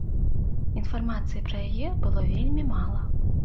Інфармацыі пра яе было вельмі мала.